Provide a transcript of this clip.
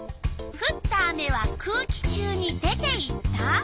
「ふった雨は空気中に出ていった」。